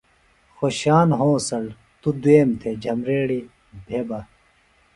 خوشان ہونسڑ توۡ دُوئیم تھےۡ جھبریڑی بھےۡ بہ۔